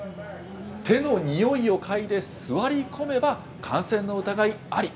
手の匂いを嗅いで座り込めば、感染の疑いあり。